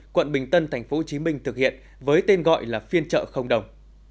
quận bình tân tp hcm thực hiện với tên gọi là phiên chợ không đồng